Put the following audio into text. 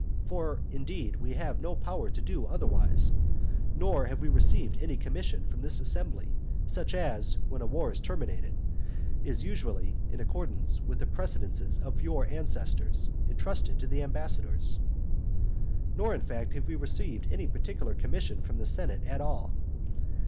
For, indeed, we have no power to do otherwise; nor have we received any commission from this assembly, such as, when a war is terminated, is usually, in accordance with the precedents of your ancestors, entrusted to the ambassadors. Nor, in fact, have we received any particular commission from the senate at all.